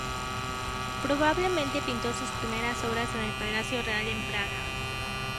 Probablemente pintó sus primeras obras en el palacio real en Praga.